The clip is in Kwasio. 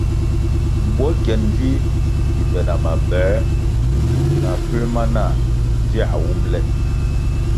Bwo kyen vih ki be na maboē na puer ma nah viah wumʼle.